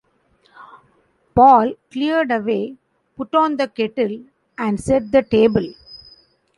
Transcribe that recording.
Paul cleared away, put on the kettle, and set the table.